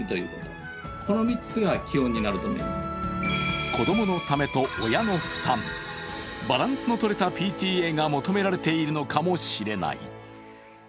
専門家は子供のためと親の負担、バランスのとれたＰＴＡが求められているのかもしれない。